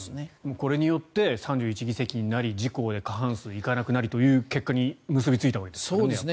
これによって３１議席になり自公で過半数行かなくなりという結果に結びついたわけですよね。